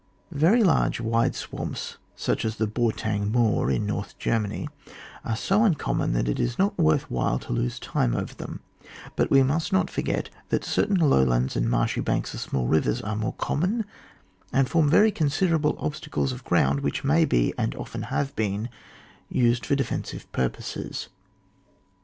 Veey large wide Bwamps, such as the Bourtang Moor in North Germany, are so uncommon that it is not worth while to lose time over them ; but we must not forget that certain lowlands and marshy banks of small rivers are more common, and form very considerable obstacles of ground which may be, and often have been, used for defensive purposes.